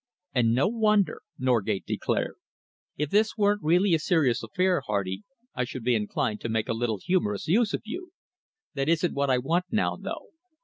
"And no wonder!" Norgate declared. "If this weren't really a serious affair, Hardy, I should be inclined to make a little humorous use of you. That isn't what I want now, though.